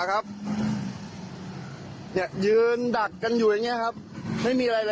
นี่ยืนดักกันอยู่อย่างนี้ครับไม่มีอะไรนะครับ